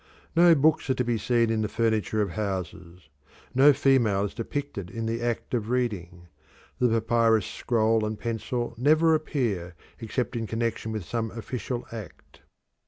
No books are to be seen in the furniture of houses; no female is depicted in the act of reading; the papyrus scroll and pencil never appear except in connection with some official act.